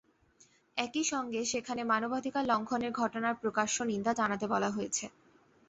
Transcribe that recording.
একই সঙ্গে সেখানে মানবাধিকার লঙ্ঘনের ঘটনার প্রকাশ্য নিন্দা জানাতে বলা হয়েছে।